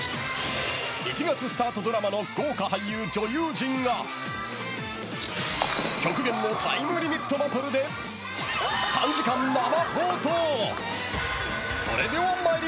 １月スタートドラマの豪華俳優、女優陣が極限のタイムリミットバトルで３時間生放送。